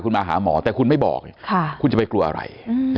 คุณมาหาหมอแต่คุณไม่บอกคุณจะไปกลัวอะไร